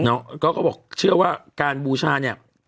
เขาก็บอกเชื่อว่าการบูชาเนี่ย